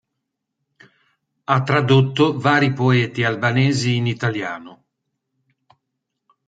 Ha tradotto vari poeti albanesi in italiano.